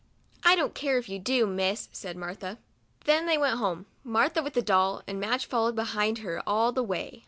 " I don't care if you do, Miss," said Martha. Then they went home, Martha with the doll, and Madge following behind her all the way.